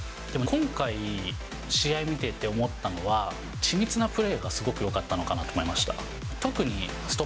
今回、試合を見てて思ったのは、緻密なプレーがすごくよかったのかなと思いました。